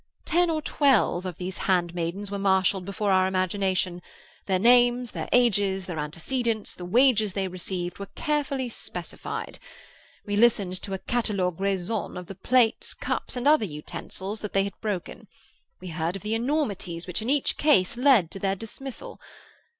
Ten or twelve of these handmaidens were marshalled before our imagination; their names, their ages, their antecedents, the wages they received, were carefully specified. We listened to a catalogue raisonne of the plates, cups, and other utensils that they had broken. We heard of the enormities which in each case led to their dismissal.